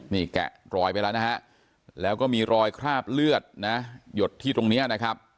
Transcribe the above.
นี่แกะรอยไปแล้วนะฮะแล้วก็มีรอยคราบเลือดนะหยดที่ตรงนี้นะครับ